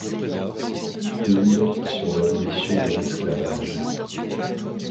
Hymne sur l'abolition de l'esclavage...